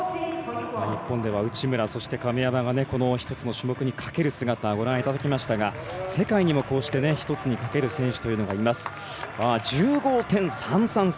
日本では内村そして、亀山が１つの種目にかける姿をご覧いただきましたが世界にも、こうして１つにかける選手というのがいます。１５．３３３。